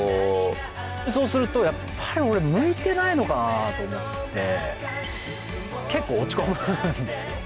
そうするとやっぱり俺向いてないのかなと思って結構落ち込むんですよ